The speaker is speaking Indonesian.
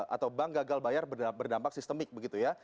atau bank gagal bayar berdampak sistemik begitu ya